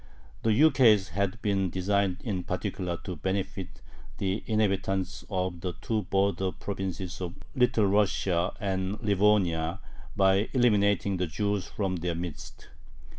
The ukase had been designed in particular to "benefit" the inhabitants of the two border provinces of Little Russia and Livonia by eliminating the Jews from their midst.